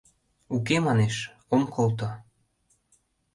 — Уке, — манеш, — ом колто.